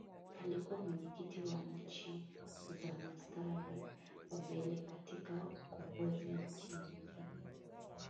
Alikuwa mwenyekiti wa Nchi za Mstari wa Mbele katika ukombozi Nchi nyingine